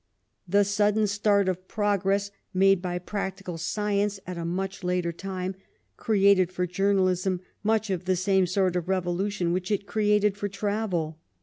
The sudden start of progress made by practical science at a much later time created for journalism much the same sort of revolution which it created for travel.